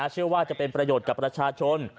เชื่อว่าจะเป็นประโยชน์กับประชาชน